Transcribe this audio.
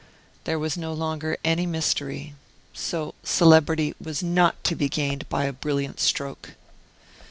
There was no longer any mystery , so celebrity was not to be gained by a brilliant stroke!